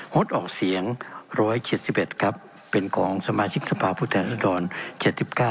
งดออกเสียง๑๗๑ครับเป็นของสมาชิกสภาพผู้แทนรัศดร๗๙